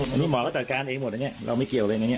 อันนี้หมอก็จัดการเองหมดอันนี้เราไม่เกี่ยวเลยนะเนี่ย